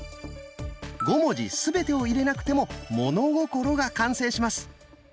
５文字すべてを入れなくても「物心」が完成します。